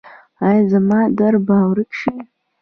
ایا زما درد به ورک شي؟